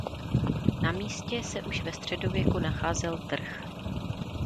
Na místě se už ve středověku nacházel trh.